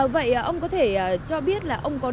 vậy ông có thể cho biết là ông có niềm tin